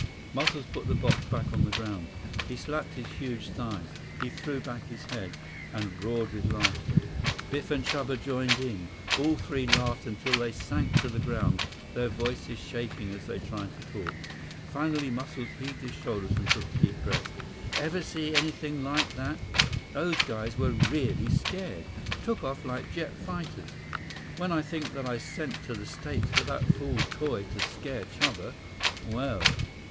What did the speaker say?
Muscles put the box back on the ground. He slapped his huge thighs, threw back his head, and roared with laughter. Biff and Chuba joined him. All three laughed until they sank to the ground, their voices shaking as they tried to talk. Finally, Muscles heaved his shoulders and took a deep breath. "Ever see anything like that? Those guys were really scared. Took off like jet fighters. When I think that I sent to the States for that fool toy to scare Chuba, well...."